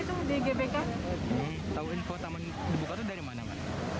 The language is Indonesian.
tahu info taman dibuka itu dari mana